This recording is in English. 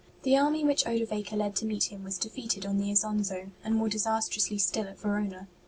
The army which Odovaker led to meet him was defeated on the Isonzo, and more disastrously still at Verona.